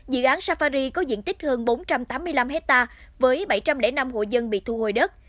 dự án safari có diện tích hơn bốn trăm tám mươi năm hectare với bảy trăm linh năm hộ dân bị thu hồi đất